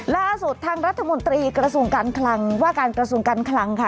ล่าสุดทางรัฐมนตรีกระทรวงการคลังว่าการกระทรวงการคลังค่ะ